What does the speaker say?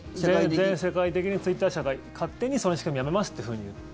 全世界的にツイッター社が勝手にその仕組み、やめますっていうふうに言って。